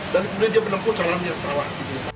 dan kemudian dia menempuh calon yang salah